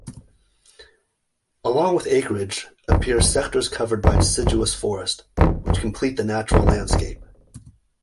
Along with acreage, appear sectors covered by deciduous forests, which complete the natural landscape.